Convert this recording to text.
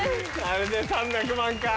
あれで３００万か。